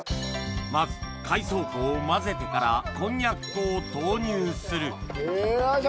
まず海藻粉を混ぜてからこんにゃく粉を投入するいよいしょ！